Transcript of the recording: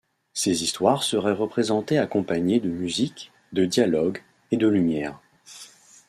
Ces histoires seraient représentées accompagnés de musique, de dialogues et de lumière.